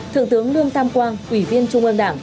thượng tướng lương tam quang ủy viên trung ương đảng